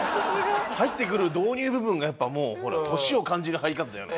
入ってくる導入部分がやっぱもうほら年を感じる入り方だよね。